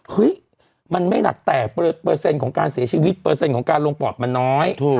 เฮ้ยมันไม่หนักแต่เปอร์เซ็นต์ของการเสียชีวิตเปอร์เซ็นต์ของการลงปอดมันน้อย